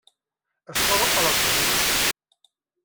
Es troba a l'Equador.